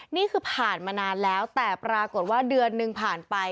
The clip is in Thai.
นี่คือผ่านมานานแล้วแต่ปรากฏว่าเดือนหนึ่งผ่านไป